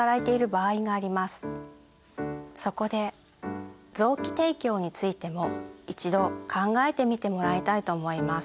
そこで臓器提供についても一度考えてみてもらいたいと思います。